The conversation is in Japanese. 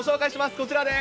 こちらです。